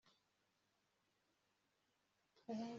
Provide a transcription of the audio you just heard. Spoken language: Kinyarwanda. atsinda imidugudu y'abayuda igoswe n'inkike